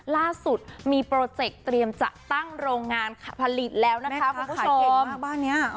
ล่าสุดมีโปรเจคเตรียมจะตั้งโรงงานผลิตแล้วนะคะคุณผู้ชมแม่ค้าขายเก่งมากบ้านเนี้ยอ๋อ